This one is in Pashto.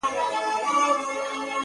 گراني اوس دي سترگي رانه پټي كړه,